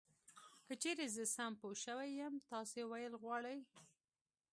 که چېرې زه سم پوه شوی یم تاسې ویل غواړی .